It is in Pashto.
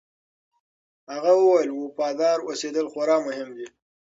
هغه وویل، وفادار اوسېدل خورا مهم دي.